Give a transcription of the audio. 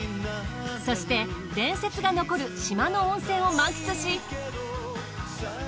そして伝説が残る島の温泉を満喫し。